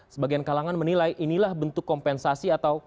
sebagian kalangan menilai inilah bentuk kompensasi atau